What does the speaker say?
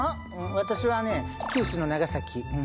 私はね九州の長崎。